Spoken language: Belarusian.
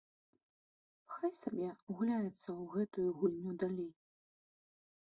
Хай сабе гуляецца ў гэтую гульню далей.